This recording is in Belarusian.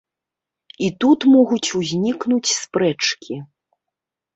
І тут могуць узнікнуць спрэчкі.